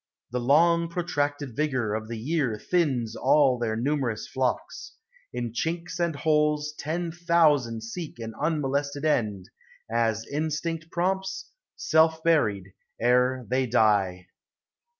The long protracted vigor of the year Thins all their numerous flocks. In chinks and holes Ten thousand seek an unmolested end, As instinct prompts; self buried ere they die.